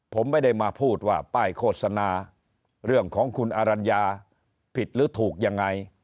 ผมไม่ได้มาพูดว่าป้ายโฆษณาเรื่องของคุณอรัญญาผิดหรือถูกยังไง